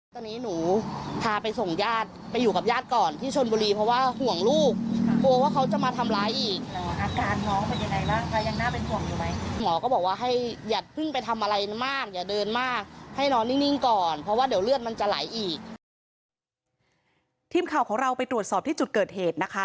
ทีมข่าวของเราไปตรวจสอบที่จุดเกิดเหตุนะคะ